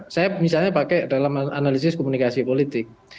saya misalnya pakai dalam analisis komunikasi politik